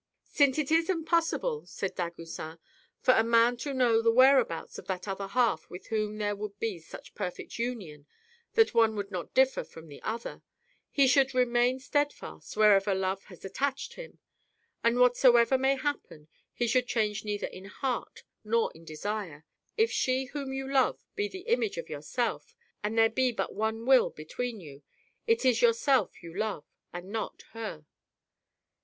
"Since it is impossible," said Dagoucin, "for a man to know the whereabouts of that other half with whom there would be such perfect union that one would not differ from the other, he should remain steadfast wherever love has attached him. And what 10 THE HEPTAMEROH. soever may happen, he should change neither in heart nor in desire. If she whom you love be the image of yourself, and there be but one will between you, it is yourself you love, and not her."